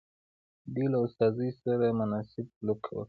دوی له استازي سره مناسب سلوک وکړي.